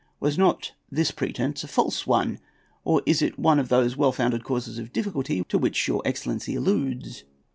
Was not this pretence a false one, or is it one of those well founded causes of difficulty to which your excellency alludes?